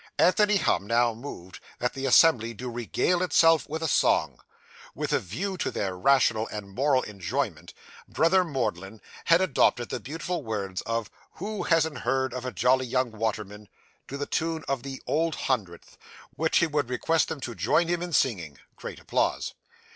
Anthony Humm now moved that the assembly do regale itself with a song. With a view to their rational and moral enjoyment, Brother Mordlin had adapted the beautiful words of 'Who hasn't heard of a Jolly Young Waterman?' to the tune of the Old Hundredth, which he would request them to join him in singing (great applause).